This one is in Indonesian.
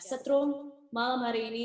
seterusnya malam hari ini